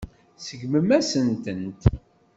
Tseggmem-asen-tent.